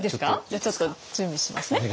じゃあちょっと準備しますね。